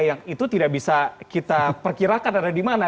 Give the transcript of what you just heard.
yang itu tidak bisa kita perkirakan ada di mana